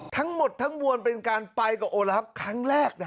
ทั้งหมดทั้งมวลเป็นการไปกับโอลาฟครั้งแรกนะ